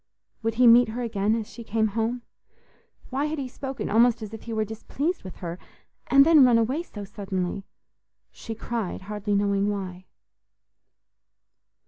Would he meet her again as she came home? Why had he spoken almost as if he were displeased with her? And then run away so suddenly? She cried, hardly knowing why.